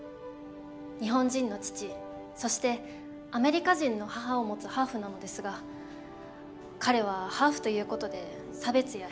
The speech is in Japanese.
日本人の父そしてアメリカ人の母を持つハーフなのですが彼はハーフということで差別や偏見にあいます。